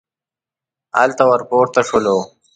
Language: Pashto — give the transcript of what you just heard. هلته ور پورته شولو.